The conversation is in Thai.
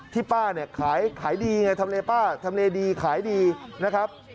ป้าเนี่ยขายดีไงทำเลป้าทำเลดีขายดีนะครับ